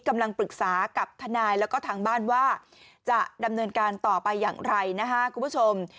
กำลังปรึกษากับทนายแล้วก็ทางบ้านว่าจะดำเนินการต่อไปอย่างไรนะฮะคุณผู้ชม